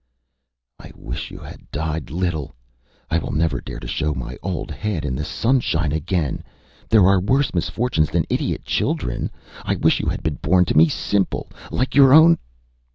ÂI wish you had died little. I will never dare to show my old head in the sunshine again. There are worse misfortunes than idiot children. I wish you had been born to me simple like your own.